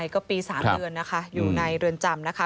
ก็ปี๓เดือนนะคะอยู่ในเรือนจำนะคะ